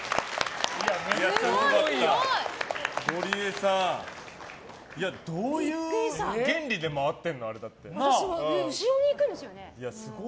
ゴリエさん、どういう原理で後ろにいくんですよね。